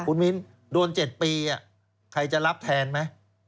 คุณมิ้นโดน๗ปีใครจะรับแทนไหม